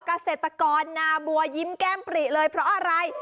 เกษตรกรนาบัวยิ้มแก้มปริเลยเพราะอะไร